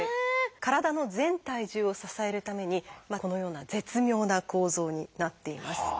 体の全体重を支えるためにこのような絶妙な構造になっています。